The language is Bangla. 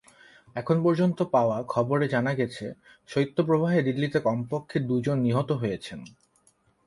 এখন পর্যন্ত পাওয়া খবরে জানা গেছে, শৈত্যপ্রবাহে দিল্লিতে কমপক্ষে দুজন নিহত হয়েছেন।